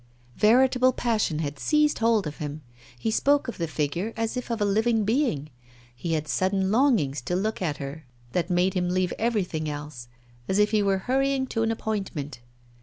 Veritable passion had seized hold of him; he spoke of the figure as of a living being; he had sudden longings to look at her that made him leave everything else, as if he were hurrying to an appointment.